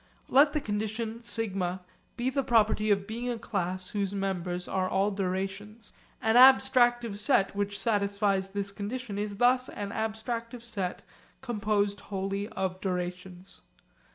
Let the condition σ be the property of being a class whose members are all durations. An abstractive set which satisfies this condition is thus an abstractive set composed wholly of durations.